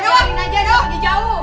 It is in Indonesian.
udah ajarin aja dia pergi jauh